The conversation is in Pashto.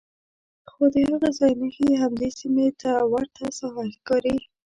خو د هغه ځای نښې همدې سیمې ته ورته ساحه ښکاري.